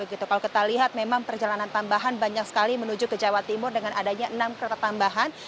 kalau kita lihat memang perjalanan tambahan banyak sekali menuju ke jawa timur dengan adanya enam kereta tambahan